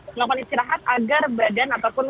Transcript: melakukan istirahat agar badan ataupun